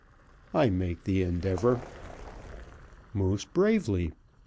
"I make the endeavour." "Most bravely.